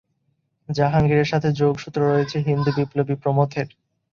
জাহাঙ্গীরের সাথে যোগসূত্র রয়েছে হিন্দু বিপ্লবী প্রমথের।